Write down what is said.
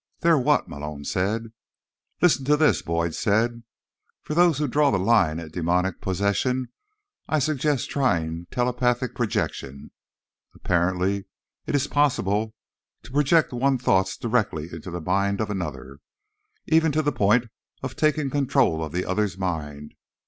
"There what?" Malone said. "Listen to this," Boyd said. "'For those who draw the line at demonic possession, I suggest trying telepathic projection. Apparently, it is possible to project one's own thoughts directly into the mind of another—even to the point of taking control of the other's mind.